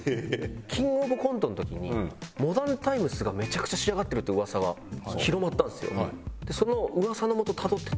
キングオブコントの時に「モダンタイムスがめちゃくちゃ仕上がってる」って噂が広まったんですよ。